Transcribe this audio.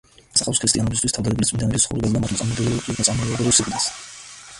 ასახავს ქრისტიანობისათვის თავდადებული წმინდანების ცხოვრებასა და მათ მოწამეობრივ სიკვდილს.